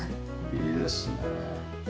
いいですね。